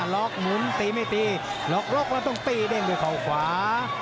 ล็อกหมุนตีไม่ตีล็อกล็อกแล้วต้องตีเด้งด้วยเขาขวา